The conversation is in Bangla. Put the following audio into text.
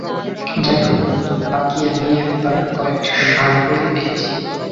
যাই হোক, বাকি, আমি এবার কয়েকটা শাগরেদ পেয়েছি।